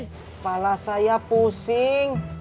kepala saya pusing